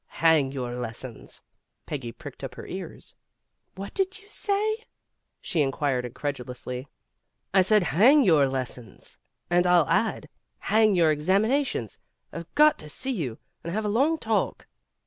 "Hang your lessons." Peggy pricked up her ears. "What did you say ?'' she queried incredulously. "I said, 'Hang your lessons,' and I'll add, 'Hang your examinations.' I've got to see you and have a long talk."